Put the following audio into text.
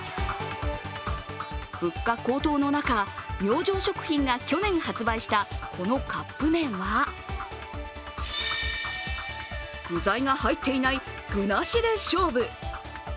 物価高騰の中、明星食品が去年発売したこのカップ麺は具材が入っていない具なしで勝負。